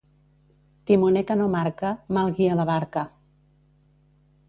Timoner que no marca, mal guia la barca.